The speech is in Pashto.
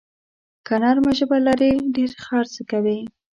که نرمه ژبه لرې، ډېر خرڅ کوې.